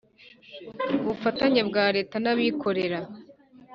ubufatanye bwa Leta n abikorera